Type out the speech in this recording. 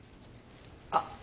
あっ！